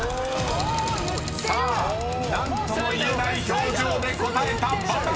［さあ何とも言えない表情で答えたバナナは⁉］